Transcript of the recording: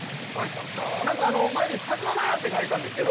何かあの前に「魚屋」って書いてたんですけど。